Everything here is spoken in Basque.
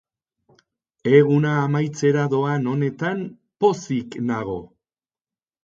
Eguna amaitzera doan honetan, pozik nago.